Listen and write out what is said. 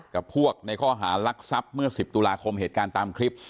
กับพวกในข้อหารักทรัพย์เมื่อ๑๐ตุลาคมเหตุการณ์ตามคลิป